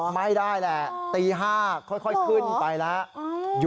ไม่ได้แหละตี๕ค่อยขึ้นไปแล้ว